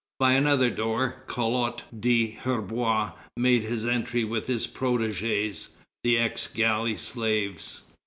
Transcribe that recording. By another door, Collot d'Herbois made his entry with his protêgês, the ex galley slaves.